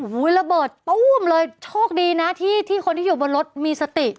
ระเบิดตู้มเลยโชคดีนะที่คนที่อยู่บนรถมีสติ